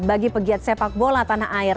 bagi pegiat sepak bola tanah air